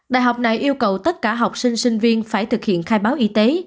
đại học này yêu cầu tất cả học sinh sinh viên phải thực hiện khai báo y tế